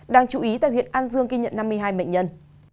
đáng chú ý tại huyện an dương ghi nhận năm mươi hai bệnh nhân